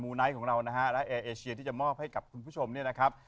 ไนท์ของเรานะฮะและแอร์เอเชียที่จะมอบให้กับคุณผู้ชมเนี่ยนะครับ